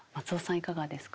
いかがですか？